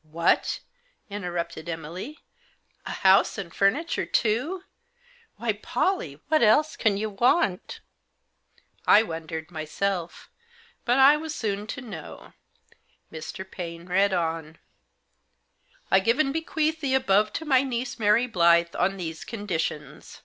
"" What !" interrupted Emily, " a house and furni ture too. Why, Pollie, what else can you want ?" I wondered myself. But I was soon to know. Mr. Paine read on :"' I give and bequeath the above to my niece, Mary Blyth, on these conditions.